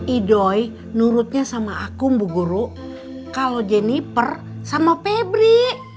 idoi nurutnya sama aku mbu guru kalau jennifer sama febri